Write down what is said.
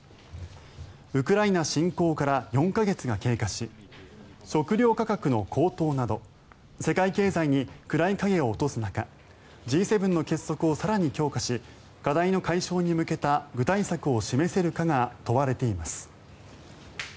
ウクライナ侵攻から４か月が経過し食料価格の高騰など世界経済に暗い影を落とす中Ｇ７の結束を更に強化し課題の解消に向けた具体策を示せるかが問われています。